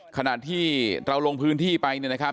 ขณะที่เราลงพื้นที่ไปเนี่ยนะครับ